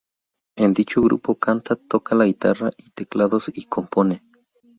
En dicho grupo canta, toca la guitarra y teclados y compone.